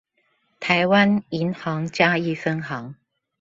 臺灣銀行嘉義分行